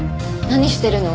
何してるの？